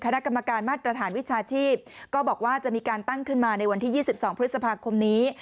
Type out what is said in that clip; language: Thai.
คณะกรรมการมาตรฐานวิชาชีพก็บอกว่าจะมีการตั้งขึ้นมาในวันที่๒๒พฤษภาคมนี้